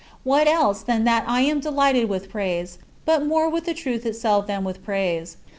What else, than that I am delighted with praise, but more with the truth itself than with praise.